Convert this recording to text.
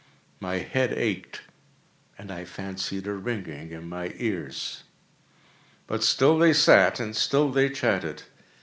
My head ached, and I fancied a ringing in my ears: but still they sat and still chatted.